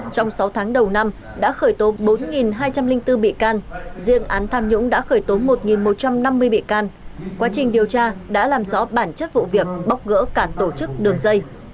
trong sáu tháng đầu năm đã khởi tố bốn hai trăm linh bốn bị can riêng án tham nhũng đã khởi tố một một trăm năm mươi bị can quá trình điều tra đã làm rõ bản chất vụ việc bóc gỡ cả tổ chức đường dây